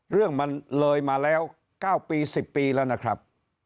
เรื่องมันเลยมาแล้ว๙ปี๑๐ปีแล้วนะครับ